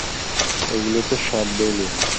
এগুলো তো সব বেলুন।